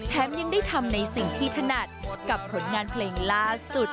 ยังได้ทำในสิ่งที่ถนัดกับผลงานเพลงล่าสุด